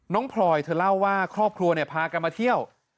พลอยเธอเล่าว่าครอบครัวเนี่ยพากันมาเที่ยว